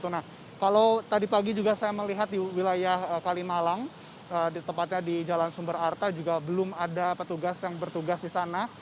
nah kalau tadi pagi juga saya melihat di wilayah kalimalang tepatnya di jalan sumber arta juga belum ada petugas yang bertugas di sana